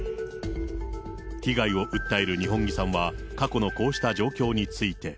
被害を訴える二本樹さんは、過去のこうした状況について。